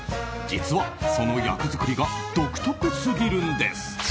実はその役作りが独特すぎるんです。